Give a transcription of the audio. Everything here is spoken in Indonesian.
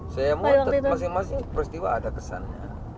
saya muat masing masing peristiwa ada kesannya